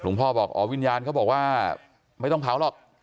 พ่อบอกอ๋อวิญญาณเขาบอกว่าไม่ต้องเผาหรอก